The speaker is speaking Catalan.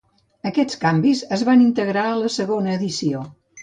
Aquests canvis es van integrar a la segona edició.